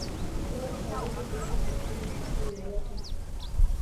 blob hawezi kuishi sehemu safi yoyote